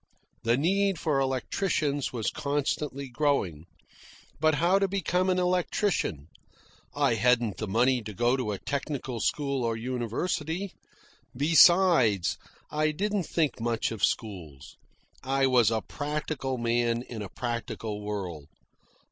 The need for electricians was constantly growing. But how to become an electrician? I hadn't the money to go to a technical school or university; besides, I didn't think much of schools. I was a practical man in a practical world.